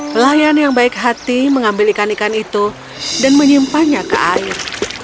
pelayan yang baik hati mengambil ikan ikan itu dan menyimpannya ke air